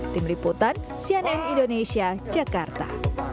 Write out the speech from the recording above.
tim liputan cnn indonesia jakarta